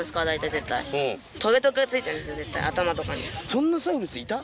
そんなサウルスいた？